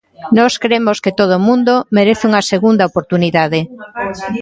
Nós cremos que todo o mundo merece unha segunda oportunidade.